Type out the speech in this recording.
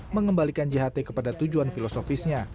mengembalikan jht kepada tujuan filosofisnya